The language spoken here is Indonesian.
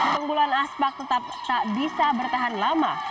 keunggulan aspak tetap tak bisa bertahan lama